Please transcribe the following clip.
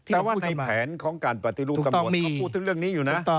แต่ว่าในแผนของการปฏิรูปกรรมก็พูดถึงเรื่องนี้อยู่นะ